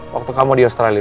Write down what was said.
waktu kamu di australia